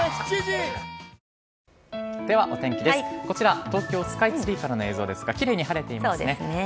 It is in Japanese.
こちら、東京スカイツリーからの映像ですか奇麗に晴れていますね。